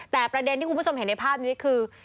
แต่ประเด็นที่คุณผู้ชมเห็นในภาพนี้คือ